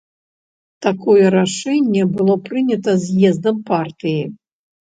Такое рашэнне было прынята з'ездам партыі.